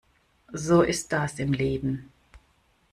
So ist das im Leben.